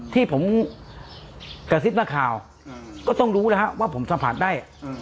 ที่ผมกระซิบนักข่าวก็ต้องรู้แล้วครับว่าผมสัมผัสได้